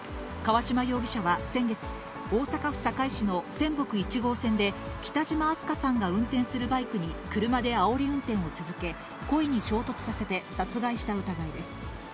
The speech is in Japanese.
川島容疑者は先月、大阪府堺市の泉北１号線で、北島明日翔さんが運転するバイクに車であおり運転を続け、故意に衝突させて、殺害した疑いです。